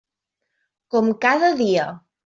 Com cada dia.